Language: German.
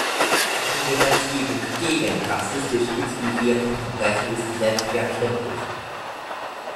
Die Gesetzgebung gegen rassistisch inspirierte Verbrechen ist selbstverständlich.